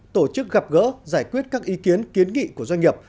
tổ chức gặp gỡ giải quyết các ý kiến kiến nghị của doanh nghiệp